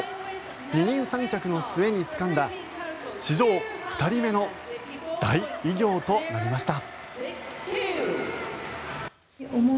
二人三脚の末につかんだ史上２人目の大偉業となりました。